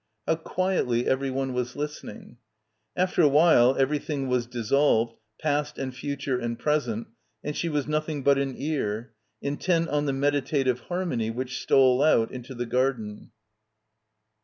How quietly everyone was listen ing. ... After a while, everything was dissolved, past and future and present, and she was nothing but an ear, intent on the meditative harmony which stole out into the garden.